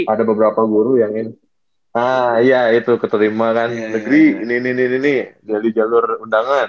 ada beberapa guru yang ah iya itu keterima kan negeri ini nih nih nih nih nih dari jalur undangan